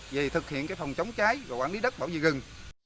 về thực hiện phòng chống cháy và quản lý đất bảo vệ rừng